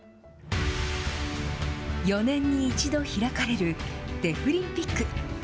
４年に１度開かれるデフリンピック。